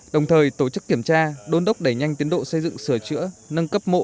đồng thời tổ chức kiểm tra đôn đốc đẩy nhanh tiến độ xây dựng sửa chữa nâng cấp mộ